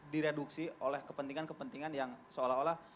direduksi oleh kepentingan kepentingan yang seolah olah